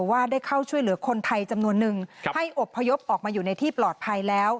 ว่าได้เข้าช่วยเหลือคนไทยจำนวนนึงให้อบพยพออกมาอยู่ในที่ปลอดภัยแล้ว